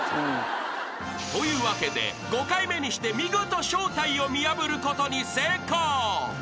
［というわけで５回目にして見事正体を見破ることに成功］